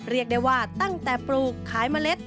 เรียกได้ว่าตั้งแต่ปลูกขายเมล็ด